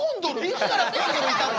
いつからコンドルいたの？